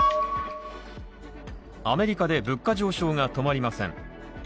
アメリカで物価上昇が止まりません。